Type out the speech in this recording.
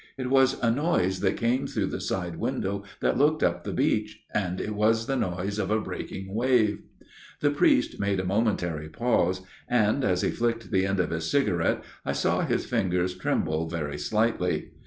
" It was a noise that came through the side window that looked up the beach, and it was the noise of a breaking wave." The priest made a momentary pause, and, as he flicked the end of his cigarette, I saw his fingers tremble very slightly.